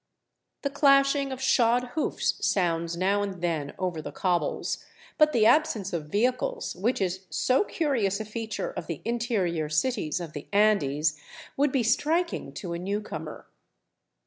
The clashing of shod hoofs sounds now and then over the cobbles, but the absence of vehicles, which is so curious a feature of the interior cities of the Andes, would be striking to a newcomer.